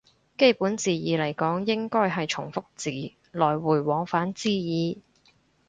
基本字義嚟講應該係從復字，來回往返之意